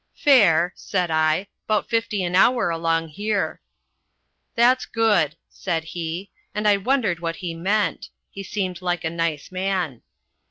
"'Fair,' said I; ''bout fifty an hour along here.' "'That's good,' said he, and I wondered what he meant. He seemed like a nice man.